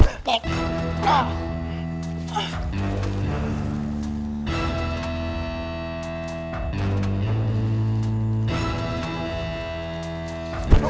gue gak akan bales